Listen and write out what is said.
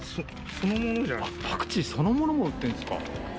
パクチーそのものも売ってんですか。